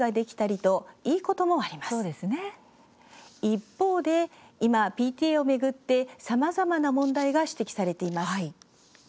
一方で今、ＰＴＡを巡ってさまざまな問題が指摘されています。